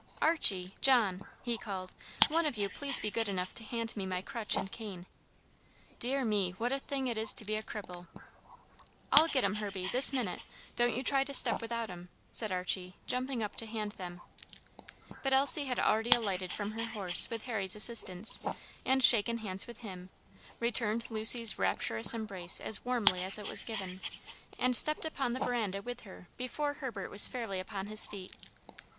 "Archie, John," he called, "one of you please be good enough to hand me my crutch and cane. Dear me, what a thing it is to be a cripple!" "I'll get 'em, Herbie, this minute! Don't you try to step without 'em," said Archie, jumping up to hand them. But Elsie had already alighted from her horse with Harry's assistance, and shaken hands with him, returned Lucy's rapturous embrace as warmly as it was given, and stepped upon the veranda with her before Herbert was fairly upon his feet.